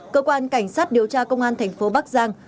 cơ quan cảnh sát điều tra công an thành phố bắc giang